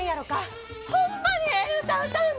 ホンマにええ歌歌うんです！